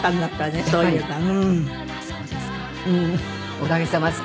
おかげさまです。